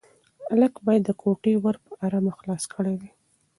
هلک باید د کوټې ور په ارامه خلاص کړی وای.